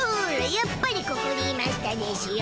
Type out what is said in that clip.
やっぱりここにいましたでしゅよ。